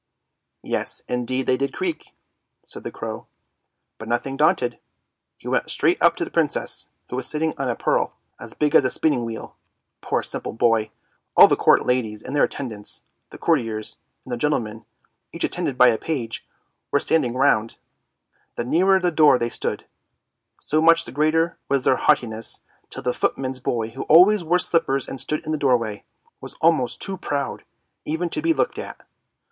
" Yes, indeed they did creak! " said the crow. " But nothing daunted, he went straight up to the Princess, who was sitting on a pearl, as big as a spinning wheel. Poor, simple boy! all the court ladies and their attendants; the courtiers, and their 202 ANDERSEN'S FAIRY TALES gentlemen, each attended by a page, were standing round. The nearer the door they stood, so much the greater was their haughti ness; till the footman's boy who always wore slippers and stood in the doorway, was almost too proud even to be looked at."